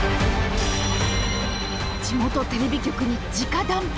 地元テレビ局に直談判。